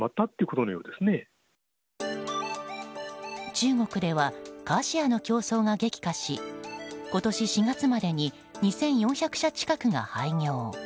中国ではカーシェアの競争が激化し今年４月までに２４００社近くが廃業。